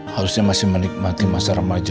harusnya masih menikmati masa remaja